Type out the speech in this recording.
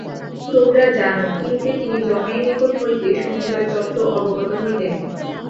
তোমরা জান, কিরূপে তিনি যমের নিকট হইতে সমুদয় তত্ত্ব অবগত হইলেন।